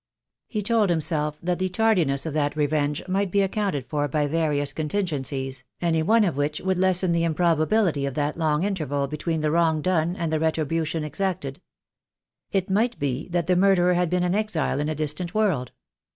He told himself that the tardiness of that revenge might be accounted for by various contingencies, any one of which would lessen the improbability of that long in terval between the wrong done and the retribution ex acted. It might be that the murderer had been an exile in a distant world.